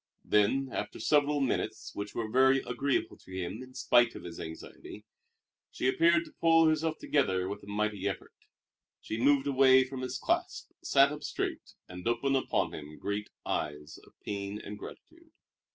Then, after several minutes which were very agreeable to him in spite of his anxiety, she appeared to pull herself together with a mighty effort. She moved away from his clasp, sat up straight, and opened upon him great eyes of pain and gratitude.